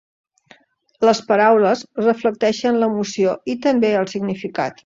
Les paraules reflecteixen l'emoció i també el significat.